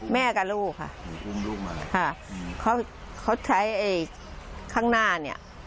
แม่กับลูกค่ะค่ะเขาเขาใช้ไอ้ข้างหน้าเนี่ย